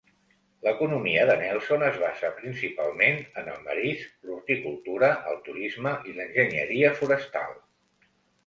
L'economia de Nelson es basa principalment en el marisc, l'horticultura, el turisme i l'enginyeria forestal.